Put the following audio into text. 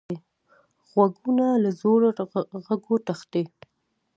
غوږونه له زوره غږو تښتي